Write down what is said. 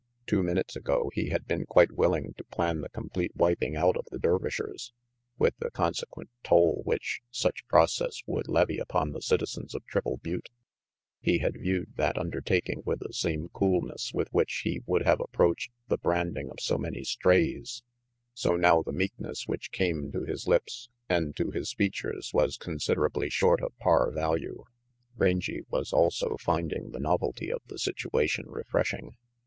Two minutes ago he had been quite willing to plan the complete wiping out of the Dervishers, with the consequent toll which such process would levy upon the citizens of Triple Butte. He had viewed RANGY PETE 31 that undertaking with the same coolness with which he would have approached the branding of so many strays, so now the meekness which came to his lips and to his features was considerably short of par value. Rangy was also finding the novelty of the situation refreshing.